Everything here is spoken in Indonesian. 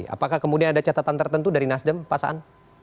apakah kemudian ada catatan tertentu dari nasdem pak saan